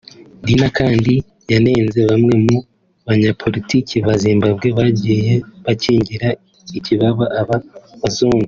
Dinha kandi yanenze bamwe mu banyapolitike ba Zimbabwe bagiye bakingira ikibaba aba bazungu